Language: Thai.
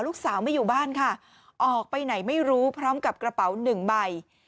ลูกสาวไม่อยู่บ้านค่ะออกไปไหนไม่รู้พร้อมกับกระเป๋าหนึ่งใบ